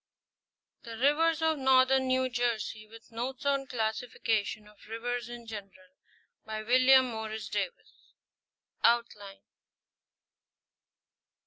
THE RIVERS OF NORTHERN NEW JERSEY, WITH NOTES ON THE CLASSIFICATION OF RIVERS IN GENERAL. By WILLIAM Morris DAVIS. OUTLINE.